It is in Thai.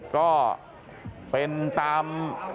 ก็เป็นตาม